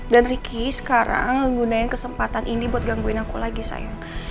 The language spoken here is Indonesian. dan ricky sekarang menggunakan kesempatan ini buat gangguin aku lagi sayang